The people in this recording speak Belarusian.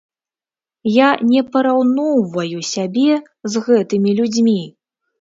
Я не параўноўваю сябе з гэтымі людзьмі.